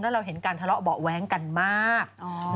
แล้วเราเห็นการทะเลาะเบาะแว้งกันมาก